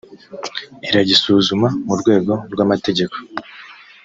iragisuzuma mu rwego rw’ amategeko